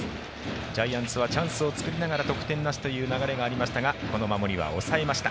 ジャイアンツはチャンスを作りながら得点なしという流れがありましたがこの守りは抑えました。